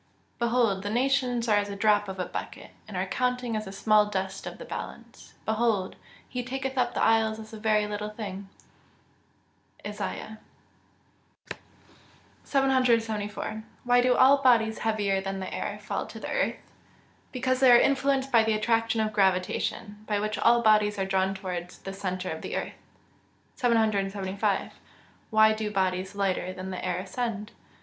[Verse: "Behold, the nations are as a drop of a bucket, and are counted as the small dust of the balance: behold, he taketh up the isles as a very little thing." ISAIAH XL.] 774. Why do all bodies heavier than the air fall to the earth? Because they are influenced by the attraction of gravitation, by which all bodies are drawn towards the centre of the earth. 775. _Why do bodies lighter than the air ascend?